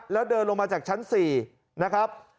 แล้วเดินลงมาจากชั้น๔นะครับ